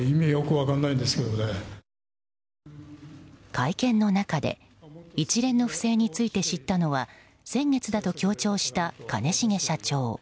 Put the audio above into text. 会見の中で一連の不正について知ったのは先月だと強調した兼重社長。